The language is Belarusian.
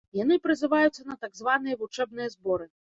Яны прызываюцца на так званыя вучэбныя зборы.